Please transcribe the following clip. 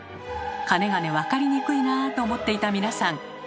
かねがね分かりにくいなと思っていた皆さん